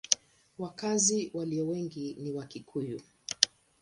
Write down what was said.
Wakazi walio wengi ni Wakikuyu.